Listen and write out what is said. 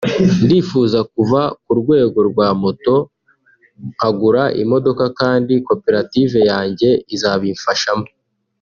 ndifuza kuva ku rwego rwa moto nkagura imodoka kandi koperative yanjye izabimfashamo